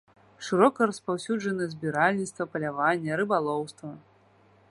Шырока распаўсюджаны збіральніцтва, паляванне, рыбалоўства.